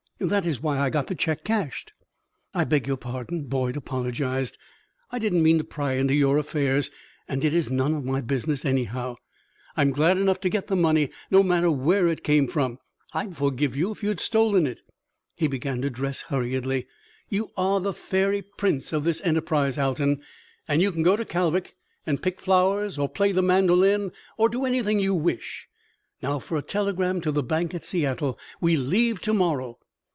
That is why I got the check cashed." "I beg your pardon," Boyd apologized; "I didn't mean to pry into your affairs, and it is none of my business, anyhow. I'm glad enough to get the money, no matter where it came from. I'd forgive you if you had stolen it." He began to dress hurriedly. "You are the fairy prince of this enterprise, Alton, and you can go to Kalvik and pick flowers or play the mandolin or do anything you wish. Now for a telegram to the bank at Seattle. We leave to morrow."